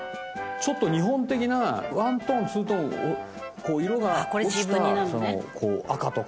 ちょっと日本的なワントーンツートーン色が落ちた赤とか緑とか。